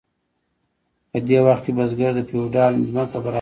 په دې وخت کې بزګر د فیوډال ځمکه برابروله.